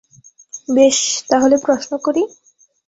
বেশ, তাহলে প্রশ্ন করি।